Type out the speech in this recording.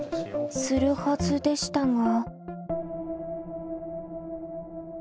するはずでしたが。